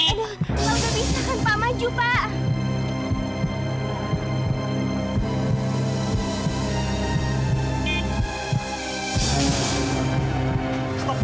aduh mau berpisah kan pak maju pak